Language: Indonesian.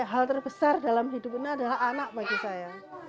hal terbesar dalam hidupnya adalah anak bagi saya